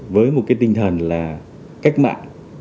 với một tinh thần cách mạng